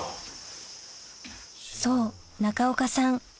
そう中岡さん